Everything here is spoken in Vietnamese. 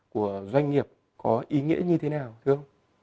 của doanh nghiệp có ý nghĩa như thế nào